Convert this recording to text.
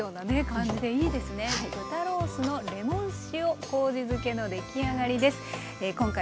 豚ロースのレモン塩こうじ漬けの出来上がりです。